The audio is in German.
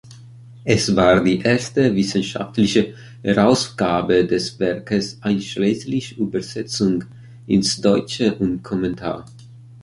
Es war die erste wissenschaftliche Herausgabe des Werkes einschließlich Übersetzung ins Deutsche und Kommentar.